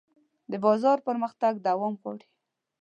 د بازار پرمختګ دوام غواړي.